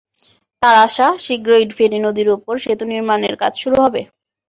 তাঁর আশা, শিগগিরই ফেনী নদীর ওপর সেতু নির্মাণের কাজ শুরু হবে।